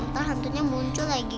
nanti hantunya muncul lagi